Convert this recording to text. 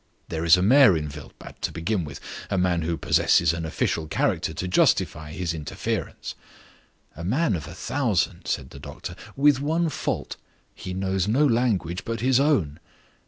There is a mayor in Wildbad, to begin with a man who possesses an official character to justify his interference." "A man of a thousand," said the doctor. "With one fault he knows no language but his own."